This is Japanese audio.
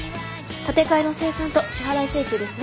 立て替えの精算と支払い請求ですね。